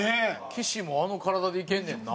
岸もあの体でいけんねんな。